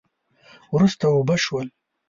وروسته اوبه شول